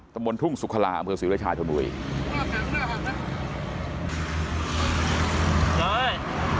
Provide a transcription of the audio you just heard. ตำรวจทุ่งสุขระบศิริชาชนบุรี